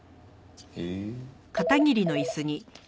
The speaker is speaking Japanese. へえ。